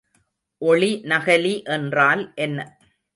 ஒளிநகலி என்றால் என்ன?